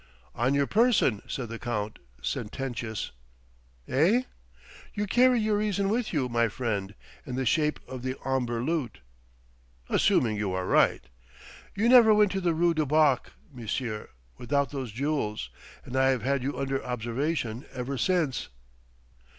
"On your person," said the Count, sententious. "Eh?" "You carry your reason with you, my friend in the shape of the Omber loot." "Assuming you are right " "You never went to the rue du Bac, monsieur, without those jewels: and I have had you under observation ever since."